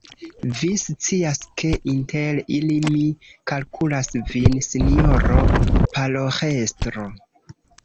Vi scias, ke inter ili mi kalkulas vin, sinjoro paroĥestro.